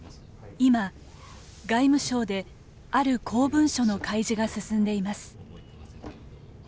今、外務省である公文書の開示が進んでいます。